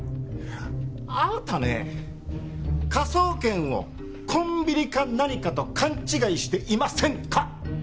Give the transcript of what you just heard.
あたね科捜研をコンビニか何かと勘違いしていませんか？